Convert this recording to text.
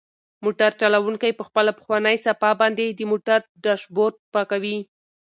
موټر چلونکی په خپله پخوانۍ صافه باندې د موټر ډشبورډ پاکوي.